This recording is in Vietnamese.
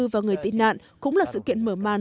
và người tị nạn cũng là sự kiện mở màn